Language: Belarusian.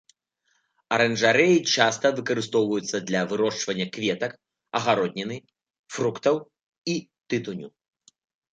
Аранжарэі часта выкарыстоўваюцца для вырошчвання кветак, агародніны, фруктаў і тытуню.